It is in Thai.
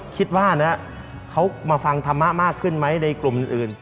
คิดว่านะเขามาฟังธรรมะมากขึ้นไหมในกลุ่มอื่น